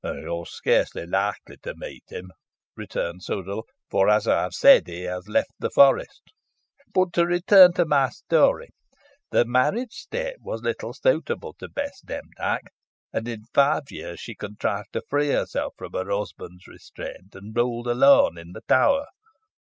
"You are scarcely likely to meet him," returned Sudall, "for, as I have said, he has left the forest. But to return to my story. The marriage state was little suitable to Bess Demdike, and in five years she contrived to free herself from her husband's restraint, and ruled alone in the tower.